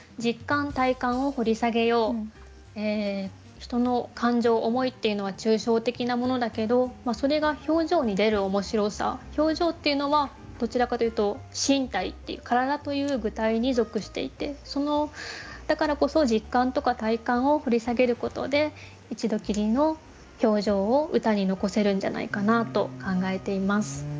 人の感情思いっていうのは抽象的なものだけどそれが表情に出る面白さ表情っていうのはどちらかというと身体体という具体に属していてだからこそ実感とか体感を掘り下げることで一度きりの表情を歌に残せるんじゃないかなと考えています。